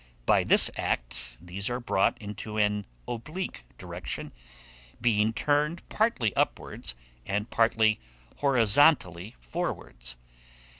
By this act these are brought into an oblique direction, being turned partly upwards and partly horizontally forwards.